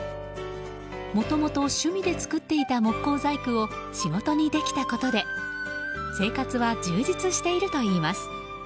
もともと趣味で作っていた木工細工を仕事にできたことで生活は充実しているといいます。